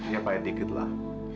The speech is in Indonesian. ya pahit dikitlah